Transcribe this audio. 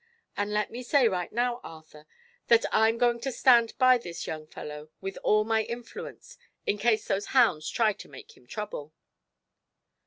And let me say right now, Arthur, that I'm going to stand by this young fellow, with all my influence, in case those hounds try to make him trouble."